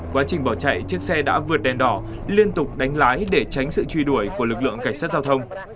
quá trình bỏ chạy chiếc xe đã vượt đèn đỏ liên tục đánh lái để tránh sự truy đuổi của lực lượng cảnh sát giao thông